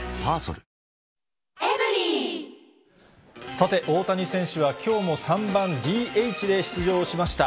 さて、大谷選手はきょうも３番ＤＨで出場しました。